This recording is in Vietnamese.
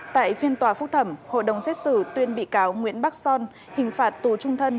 tại phiên tòa phúc thẩm hội đồng xét xử tuyên bị cáo nguyễn bắc son hình phạt tù trung thân